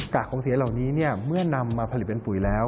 ของเสียเหล่านี้เนี่ยเมื่อนำมาผลิตเป็นปุ๋ยแล้ว